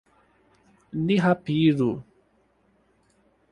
Ni rapidu.